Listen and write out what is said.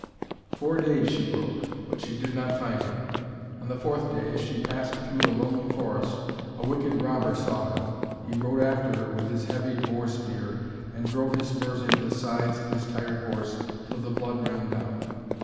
Four days she rode, but she did not find him. On the fourth day, as she passed through a lonely forest, a wicked robber saw her. He rode after her with his heavy boar spear, and drove his spurs into the sides of his tired horse till the blood ran down.